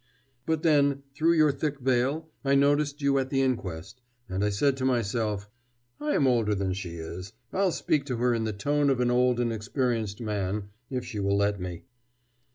But then, through your thick veil I noticed you at the inquest: and I said to myself, 'I am older than she is I'll speak to her in the tone of an old and experienced man, if she will let me.'"